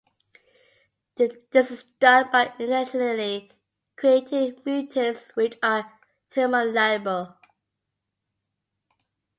This is done by intentionally creating mutants which are thermolabile.